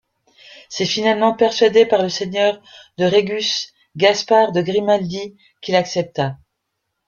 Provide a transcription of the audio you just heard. C’est finalement persuadé par le Seigneur de Régusse, Gaspard de Grimaldi, qu’il accepta.